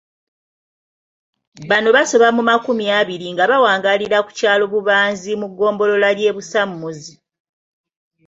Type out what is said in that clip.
Bano basoba mu makumi abiri nga bawangaalira ku kyalo Bubanzi mu ggombolola ly'e Busamuzi.